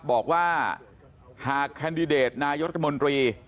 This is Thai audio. บอกว่าหากแคนดิเดตนายกรัฐมนตรี